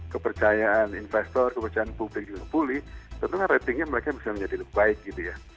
kepercayaan investor kepercayaan publik juga pulih tentu kan ratingnya mereka bisa menjadi lebih baik gitu ya